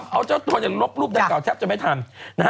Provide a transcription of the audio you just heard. เอาเจ้าตัวเนี่ยลบรูปดังกล่าแทบจะไม่ทันนะฮะ